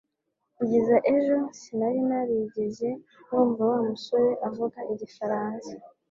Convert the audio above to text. Kugeza ejo, sinari narigeze numva Wa musore avuga igifaransa